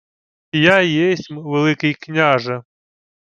— Я єсмь, Великий княже.